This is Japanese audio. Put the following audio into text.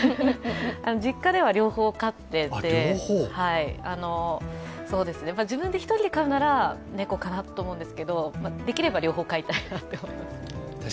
実家では両方飼っていて、自分で一人で飼うなら猫かなと思うんですけどできれば両方飼いたいなと思います。